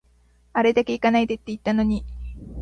あれだけ行かないでって言ったのに